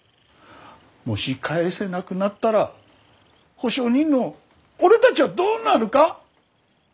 もし返せなくなったら保証人の俺たちはどうなるか。